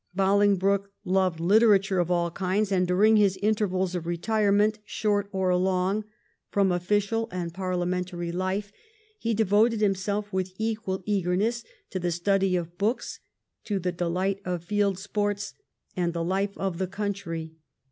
Bolingbroke loved literature of all kinds, and during his intervals of retirement, short or long, from official and parliamentary life, he devoted himself with equal eagerness to the study of books, to the delight of field sports, and the life of the country.